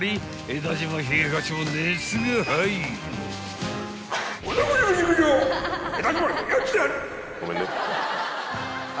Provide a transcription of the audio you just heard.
江田島平八も熱が入る］